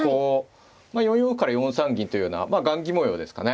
４四歩から４三銀というような雁木模様ですかね